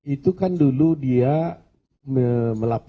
itu kan dulu dia melakukan